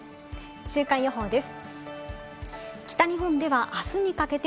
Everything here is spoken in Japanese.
週間予報です。